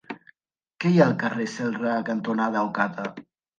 Què hi ha al carrer Celrà cantonada Ocata?